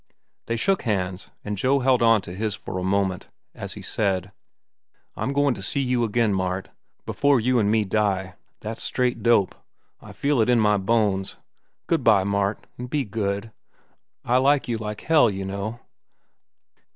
They shook hands, and Joe held on to his for a moment, as he said: "I'm goin' to see you again, Mart, before you an' me die. That's straight dope. I feel it in my bones. Good by, Mart, an' be good. I like you like hell, you know."